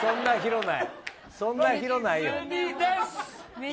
そんな広ないよ。